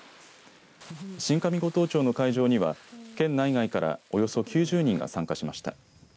新上五島町の海上には県内外からおよそ９０人が参加しました。